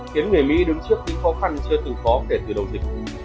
khiến người mỹ đứng trước những khó khăn chưa từng có kể từ đầu dịch